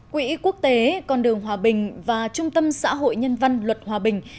quỹ quốc tế con đường hòa bình và trung tâm xã hội nhân văn luật hòa bình